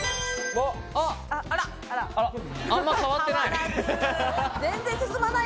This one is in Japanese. あんまり変わってない。